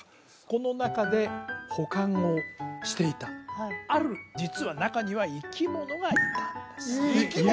この中で保管をしていたある実は中には生き物がいたんです生き物？